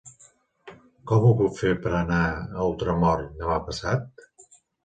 Com ho puc fer per anar a Ultramort demà passat?